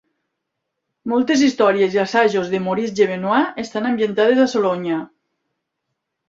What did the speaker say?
Moltes històries i assajos de Maurice Genevoix estan ambientades a Sologne.